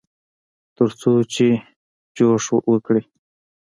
ترڅو چې جوښ وکړي.